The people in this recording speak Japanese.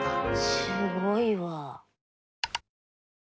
すごいわ。